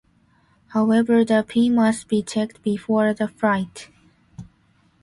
However the pin must be checked before the flight.